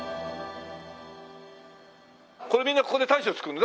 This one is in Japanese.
これみんなここで大将が作るの？